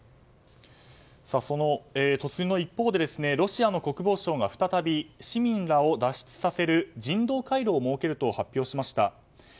その突入の一方でロシアの国防省が再び市民らを脱出させる人道回廊を設けると発表しました。